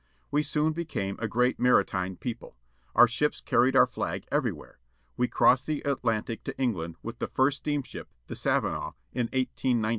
We soon became a great maritime people. Our ships carried our flag every where. We crossed the Atlantic to England with the first steamship, the Savarmah, 1 8 19.